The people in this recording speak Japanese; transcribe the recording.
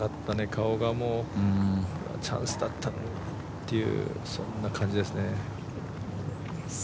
顔がもうチャンスだったのにっていうそんな感じですね。